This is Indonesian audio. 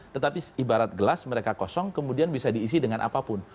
tetapi ibarat gelas mereka kosong kemudian bisa diisi dengan apapun